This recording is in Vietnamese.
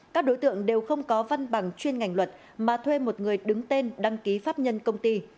các đối tượng đều không có văn bằng chuyên ngành luật mà thuê một người đứng tên đăng ký pháp nhân công ty